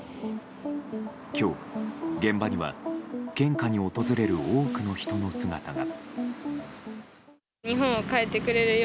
今日、現場には献花に訪れる多くの人の姿が。